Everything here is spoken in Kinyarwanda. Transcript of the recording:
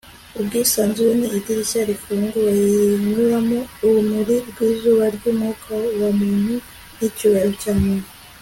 ubwisanzure ni idirishya rifunguye rinyuramo urumuri rw'izuba ry'umwuka wa muntu n'icyubahiro cya muntu